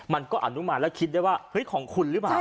มันก็อนุมานแล้วคิดได้ว่าเฮ้ยของคุณหรือเปล่า